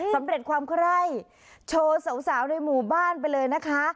สำเร็จความไคร้โชว์สาวในหมู่บ้านไปเลยนะคะ